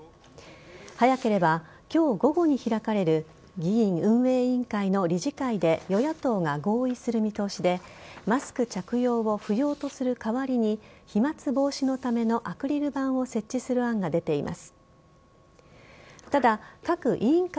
早ければ今日午後に開かれる議員運営委員会の理事会で与野党が合意する見通しでマスク着用を不要とする代わりに飛沫防止のためのアクリル板を設置する案が出ています。